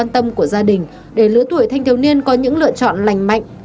tâm của gia đình để lứa tuổi thanh thiếu niên có những lựa chọn lành mạnh